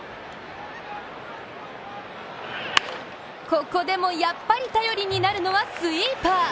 ここでもやっぱり頼りになるのはスイーパー。